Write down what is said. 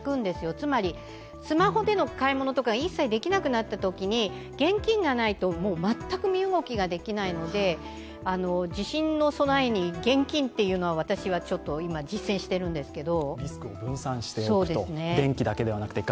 つまり、スマホでの買い物とか一切できなくなったときに現金がないと全く身動きができないので地震の備えに現金というのを私は実践しているんですけど。